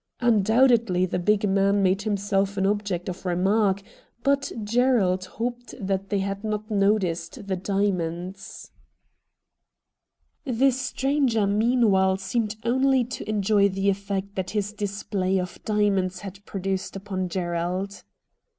Undoubtedly the big man made himself an object of remark, but Gerald hoped that they had not noticed the diamonds. VOL. I. E 50 RED DIAMONDS The stranger meanwhile seemed only to enjoy the effect that his display of diamonds had produced upon Gerald.